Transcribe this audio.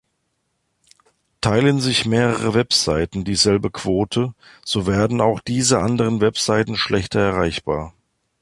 Teilen sich mehrere Webseiten dieselbe Quote, so werden auch diese anderen Webseiten schlechter erreichbar.